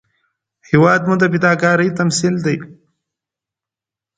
هېواد مو د فداکارۍ تمثیل دی